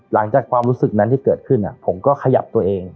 หลังจากความรู้สึกนั้นที่เกิดขึ้นผมก็ขยับตัวเอง